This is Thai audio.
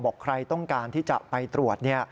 บอกใครต้องการที่จะไปตรวจ